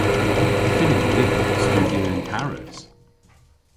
Y fynnyn ni studhya yn Paris.